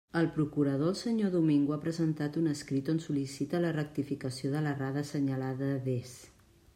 El procurador el senyor Domingo ha presentat un escrit on sol·licita la rectificació de l'errada assenyalada adés.